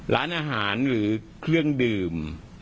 ร้านอาหารหรือเครื่องดื่ม